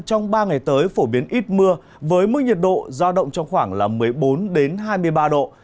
trong ba ngày tới phổ biến ít mưa với mức nhiệt độ giao động trong khoảng một mươi bốn hai mươi ba độ